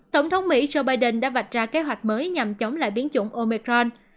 tổng thống mỹ joe biden đã vạch ra kế hoạch mới nhằm chống lại biến chủng omicron